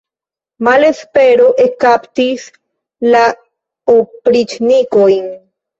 Malespero ekkaptis la opriĉnikojn.